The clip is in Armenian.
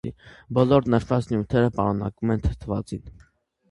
Բոլոր նշված նյութերը պարունակում են թթվածին։